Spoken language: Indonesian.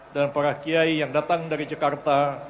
dan para kiai yang datang dari jakarta